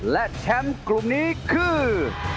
และแชมป์กลุ่มนี้คือ